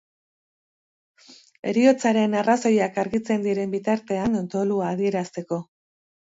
Heriotzaren arrazoiak argitzen diren bitartean, dolua adierazteko.